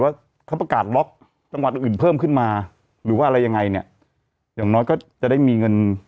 ว่าเขาประกาศล็อกจังหวัดอื่นเพิ่มขึ้นมาหรือว่าอะไรยังไงเนี่ยอย่างน้อยก็จะได้มีเงิน